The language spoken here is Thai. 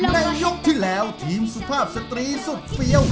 ในยกที่แล้วทีมสุภาพสตรีสุดเฟี้ยว